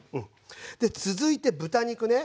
で続いて豚肉ね。